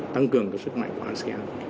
tăng cường cái sức mạnh của asean